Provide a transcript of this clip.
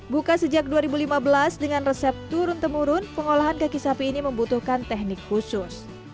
buka sejak dua ribu lima belas dengan resep turun temurun pengolahan kaki sapi ini membutuhkan teknik khusus